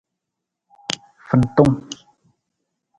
Fantung.